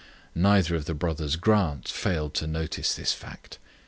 Neither of the brothers Grant failed to notice this fact.